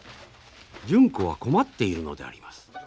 純子は困っているのであります。